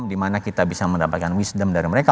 dimana kita bisa mendapatkan wisdom dari mereka